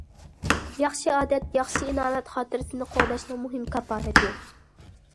ياخشى ئادەت ياخشى ئىناۋەت خاتىرىسىنى قوغداشنىڭ مۇھىم كاپالىتى.